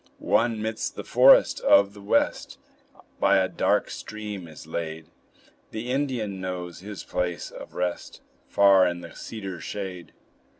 One, midst the forest of the West, By a dark stream is laid; The Indian knows his place of rest, Far in the cedar shade.